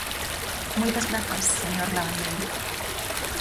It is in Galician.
Moitas grazas, señor Lavandeira.